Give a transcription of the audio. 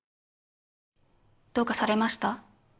どうかされました？